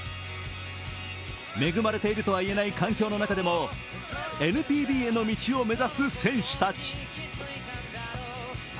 恵まれているとはいえない環境の中でもＮＰＢへの道を目指す選手たち